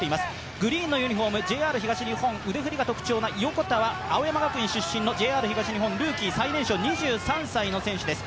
グリーンのユニフォーム、ＪＲ東日本腕振りか特徴的な横田は青山学院大学出身の２年目、ルーキー最年少、２３歳の選手です。